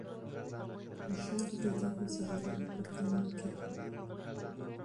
غږ د ده په ژورو فکرونو کې پټ و.